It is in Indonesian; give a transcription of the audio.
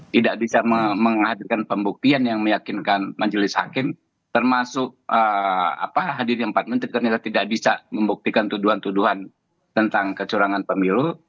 tidak bisa menghadirkan pembuktian yang meyakinkan majelis hakim termasuk hadirnya empat menteri ternyata tidak bisa membuktikan tuduhan tuduhan tentang kecurangan pemilu